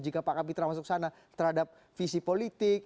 jika pak kapitra masuk sana terhadap visi politik